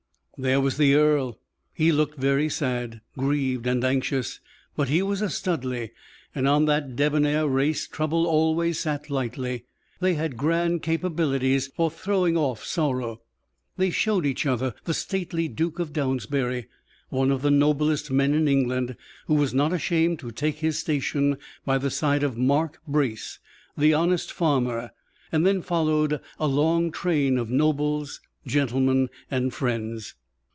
There was the earl; he looked very sad, grieved, and anxious, but he was a Studleigh, and on that debonair race trouble always sat lightly; they had grand capabilities for throwing off sorrow. They showed each other the stately Duke of Downsbury, one of the noblest men in England, who was not ashamed to take his station by the side of Mark Brace, the honest farmer; then followed a long train of nobles, gentlemen, and friends.